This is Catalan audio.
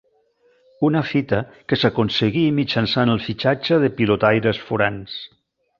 Una fita que s'aconseguí mitjançant el fitxatge de pilotaires forans.